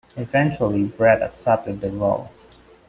Eventually Brett accepted the role.